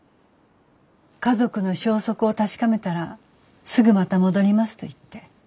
「家族の消息を確かめたらすぐまた戻ります」と言って。